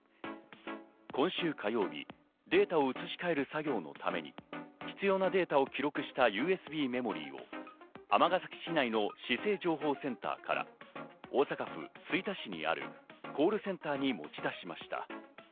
今週火曜日、データを移し替える作業のために必要なデータを記録したＵＳＢメモリーを尼崎市内の市政情報センターから大阪府吹田市にあるコールセンターに持ち出しました。